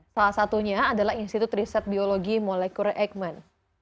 salah satunya adalah institut riset biologi molekule ekman